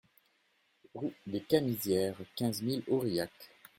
Rue des Camisières, quinze mille Aurillac